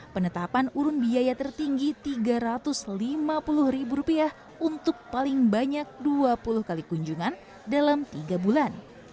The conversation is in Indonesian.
penetapan urun biaya tertinggi rp tiga ratus lima puluh untuk paling banyak dua puluh kali kunjungan dalam tiga bulan